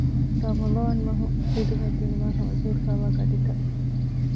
ރަމަޟާންމަހު ޚިދުމަތް ދިނުމަށް ހަމަޖެހިފައިވާ ގަޑިތައް